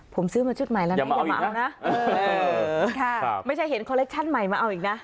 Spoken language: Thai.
ผมซื้อมาชุดใหม่แล้วนะอย่ามาเอานะไม่ใช่เห็นคอลเคชั่นใหม่มาเอาอีกนะ